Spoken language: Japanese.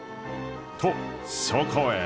とそこへ。